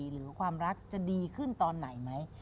หรือความรักจะดีขึ้นตอนไหนไหม